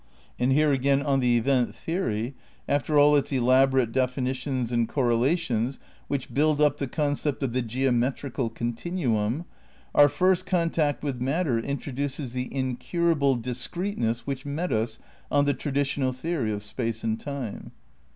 And here again, on the event theory, after all its elaborate definitions and correlations which build up the concept of the geomet rical continuum, our first contact with matter intro duces the incurable discreteness which met us on the traditional theory of space and time.